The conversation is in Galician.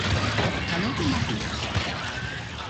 Falou con Macias?